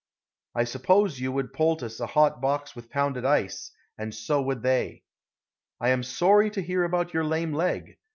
I suppose you would poultice a hot box with pounded ice, and so would they. I am sorry to hear about your lame leg.